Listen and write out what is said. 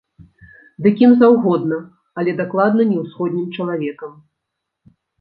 Ды кім заўгодна, але дакладна не ўсходнім чалавекам.